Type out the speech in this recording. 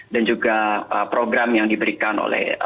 dan juga program yang diberikan oleh